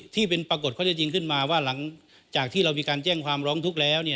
ที่เป็นปรากฏข้อเท็จจริงขึ้นมาว่าหลังจากที่เรามีการแจ้งความร้องทุกข์แล้ว